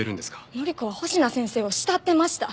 範子は星名先生を慕ってました。